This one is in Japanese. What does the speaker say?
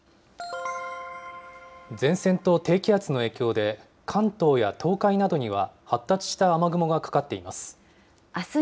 前線と低気圧の影響で、関東や東海などには発達した雨雲がかかっています。